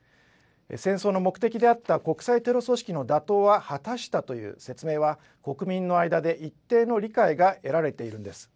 戦争の目的であった国際テロ組織の打倒は果たしたという説明は、国民の間で一定の理解が得られているんです。